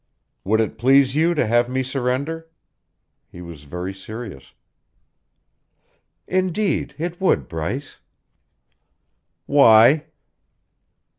"Would it please you to have me surrender?" He was very serious. "Indeed it would, Bryce." "Why?"